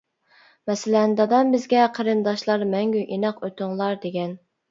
مەسىلەن :دادام بىزگە: «قېرىنداشلار مەڭگۈ ئىناق ئۆتۈڭلار» دېگەن.